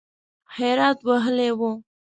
حیرت وهلی و .